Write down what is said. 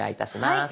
はい。